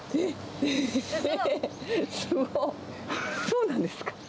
そうなんですか。